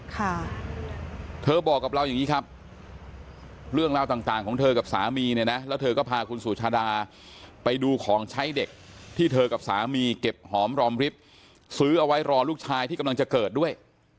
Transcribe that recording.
ค่ะเธอบอกกับเราอย่างนี้ครับเรื่องราวต่างต่างของเธอกับสามีเนี่ยนะแล้วเธอก็พาคุณสุชาดาไปดูของใช้เด็กที่เธอกับสามีเก็บหอมรอมริบซื้อเอาไว้รอลูกชายที่กำลังจะเกิดด้วย